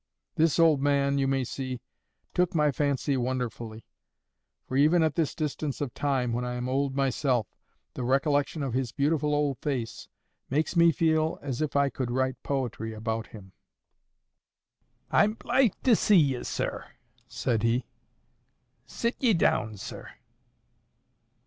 This old man, you may see, took my fancy wonderfully, for even at this distance of time, when I am old myself, the recollection of his beautiful old face makes me feel as if I could write poetry about him. "I'm blithe to see ye, sir," said he. "Sit ye down, sir."